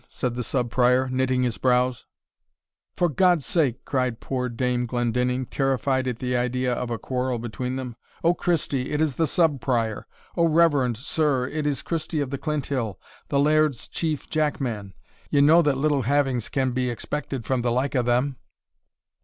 said the Sub Prior, knitting his brows "For God's sake" cried poor Dame Glendinning, terrified at the idea of a quarrel between them, "O Christie! it is the Sub Prior O reverend sir, it is Christie of the Clinthill, the laird's chief jack man; ye know that little havings can be expected from the like o' them."